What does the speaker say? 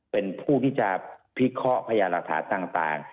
เป็นผู้ที่จะพิเคราะห์พยานหลักฐานต่าง